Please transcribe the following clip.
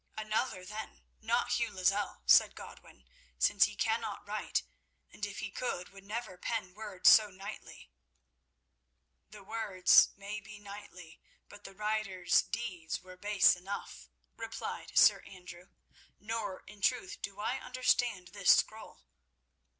"Another, then; not Hugh Lozelle," said Godwin, "since he cannot write, and if he could, would never pen words so knightly." "The words may be knightly, but the writer's deeds were base enough," replied Sir Andrew; "nor, in truth do I understand this scroll."